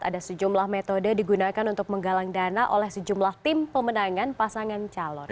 ada sejumlah metode digunakan untuk menggalang dana oleh sejumlah tim pemenangan pasangan calon